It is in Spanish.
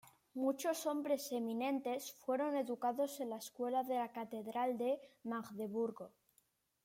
Muchos hombres eminentes fueron educados en la escuela de la catedral de Magdeburgo.